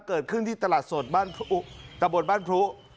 เกิดขึ้นที่ตลาดสดบ้านตะบนบ้านพรุ